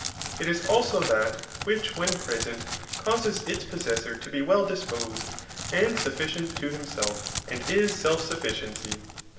It is, also, that which when present causes itB possessor to be well disposed, and sufficient to himsdf ; and is self sufficiency.